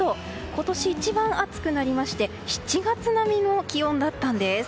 今年一番暑くなりまして７月並みの気温だったんです。